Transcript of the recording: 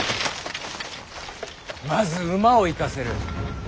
まず馬を行かせる。